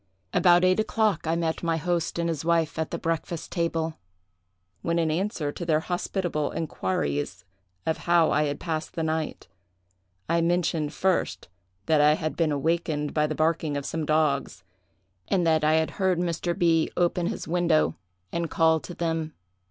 About eight o'clock I met my host and his wife at the breakfast table, when, in answer to their hospitable inquiries of how I had passed the night, I mentioned, first, that I had been awaked by the barking of some dogs, and that I had heard Mr. B—— open his window and call to them.